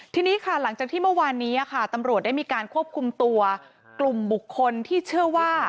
ทีนี้ค่ะหลังจากที่เมื่อวานนี้ค่ะตำรวจได้มีการควบคุมตัวกลุ่มบุคคลที่เชื่อว่า